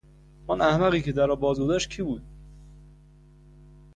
آن احمقی که در را بازگذاشت کی بود؟